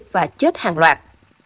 và chết hàng loạt